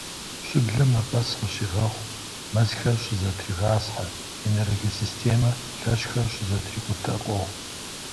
Щыблэм мафӏэс къыщигъэхъу, мэзхэр щызэтригъасхьэ, энергосистемэ лъэщхэр щызэтрикъутэ къохъу.